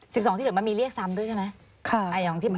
สองที่เหลือมันมีเรียกซ้ำด้วยใช่ไหม